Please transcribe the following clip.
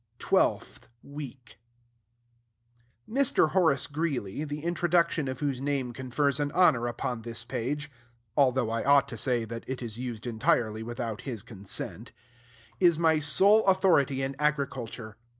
TWELFTH WEEK Mr. Horace Greeley, the introduction of whose name confers an honor upon this page (although I ought to say that it is used entirely without his consent), is my sole authority in agriculture.